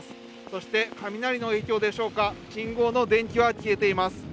そして雷の影響でしょうか信号の電気は消えています。